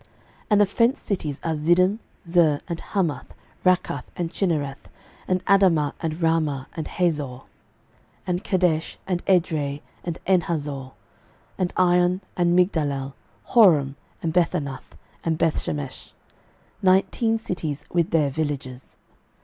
06:019:035 And the fenced cities are Ziddim, Zer, and Hammath, Rakkath, and Chinnereth, 06:019:036 And Adamah, and Ramah, and Hazor, 06:019:037 And Kedesh, and Edrei, and Enhazor, 06:019:038 And Iron, and Migdalel, Horem, and Bethanath, and Bethshemesh; nineteen cities with their villages.